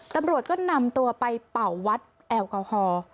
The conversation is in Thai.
ตำรวจก็นำตัวไปเป่าวัดแอลกอฮอล์